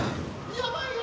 やばいよ！